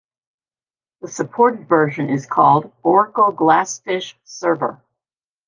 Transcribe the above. The supported version is called Oracle GlassFish Server.